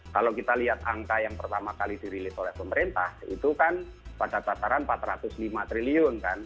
kalau kita lihat angka yang pertama kali dirilis oleh pemerintah itu kan pada tataran empat ratus lima triliun kan